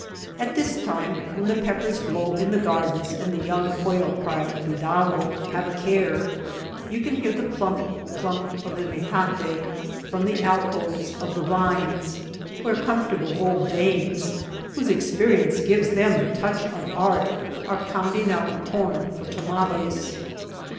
At this time when the peppers glow in the 274 THE LITTLE TOWN OF THE GRAPE VINES gardens and the young quail cry " cuidado',' " have a care !" you can hear the plu7np, plump of the metate from the alcoves of the vines where comfortable old dames, whose experience gives them the touch of art, are pounding out corn for tamales.